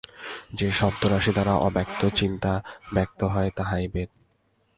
যে শব্দরাশি দ্বারা অব্যক্ত চিন্তা ব্যক্ত হয়, তাহাই বেদ।